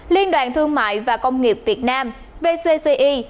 liên đoàn thương mại và công nghiệp việt nam vcci